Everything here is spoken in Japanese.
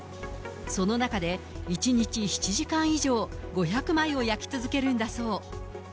その中で１日７時間以上、５００枚を焼き続けるんだそう。